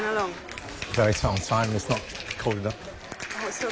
そう。